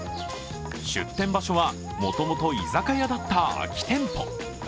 出店場所はもともと居酒屋だった空き店舗。